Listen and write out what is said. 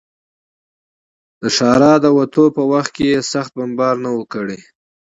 د ښاره د وتو په وخت کې یې سخت بمبار نه و کړی.